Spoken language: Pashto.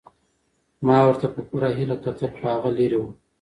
ما ورته په پوره هیله کتل خو هغه لیرې وه.